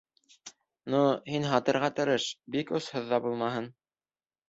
-Ну, һин һатырға тырыш, бик осһоҙ ҙа булмаһын.